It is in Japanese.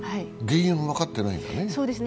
原因分かってないんだね。